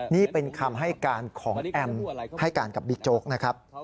นี่เป็นคำให้การของแอมให้การกับบิ๊กโจ๊กนะครับ